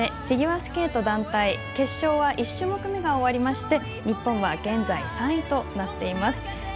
フィギュアスケート団体決勝は１種目めが終わり日本は現在３位となっています。